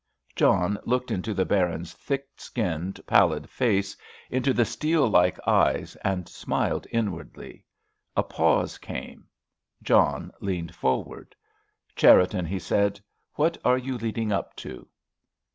John looked into the Baron's thick skinned, pallid face, into the steel like eyes, and smiled inwardly. A pause came. John leaned forward. "Cherriton," he said, "what are you leading up to?"